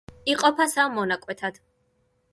იყოფა სამ მონაკვეთად.